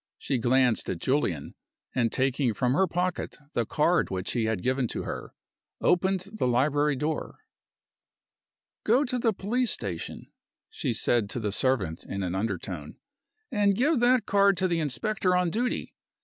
She glanced at Julian, and taking from her pocket the card which he had given to her, opened the library door. "Go to the police station," she said to the servant in an undertone, "and give that card to the inspector on duty.